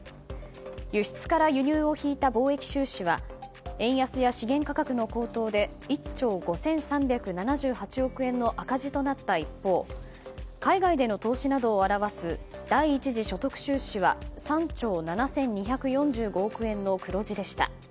輸出から輸入を引いた貿易収支は円安や資源価格の高騰で１兆５３７８億円の赤字となった一方海外での投資などを表す第１次所得収支は３兆７２４５億円の黒字でした。